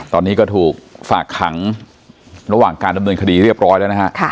ตอนนี้ก็ถูกฝากขังระหว่างการดำเนินคดีเรียบร้อยแล้วนะฮะ